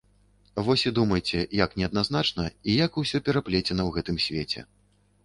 Вось і думайце, як неадназначна і як усё пераплецена ў гэтым свеце!